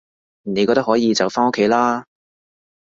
你覺得可以就返屋企啦